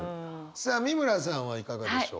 さあ美村さんはいかがでしょう？